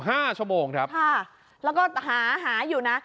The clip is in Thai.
ห้าชั่วโมงครับค่ะแล้วก็หาหาอยู่นะ